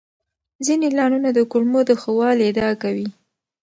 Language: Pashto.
ځینې اعلانونه د کولمو د ښه والي ادعا کوي.